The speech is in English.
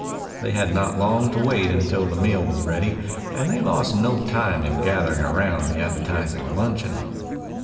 They had not long to wait until the meal was ready, and they lost no time in gathering around the appetizing luncheon.